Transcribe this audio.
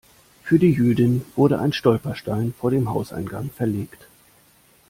Für die Jüdin wurde ein Stolperstein vor dem Hauseingang verlegt.